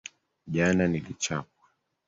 Jana nilichapwa